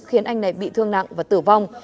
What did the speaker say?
khiến anh này bị thương nặng và tử vong